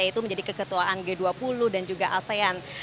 yaitu menjadi keketuaan g dua puluh dan juga asean